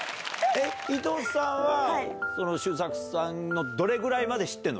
伊藤さんは周作さんのどれぐらいまで知ってる？